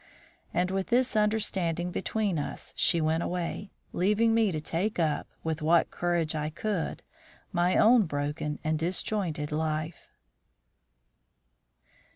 And with this understanding between us she went away, leaving me to take up, with what courage I could, my own broken and disjointed life.